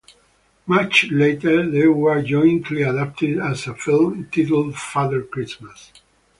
Much later they were jointly adapted as a film titled "Father Christmas".